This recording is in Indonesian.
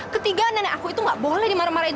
ketiga nenek aku itu gak boleh dimarah marahin